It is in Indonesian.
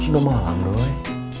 sudah malem dong